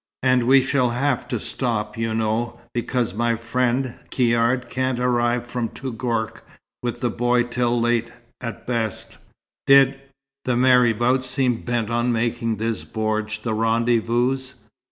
And we shall have to stop, you know, because my friend, Caird, can't arrive from Touggourt with the boy till late, at best." "Did the marabout seem bent on making this bordj the rendezvous?"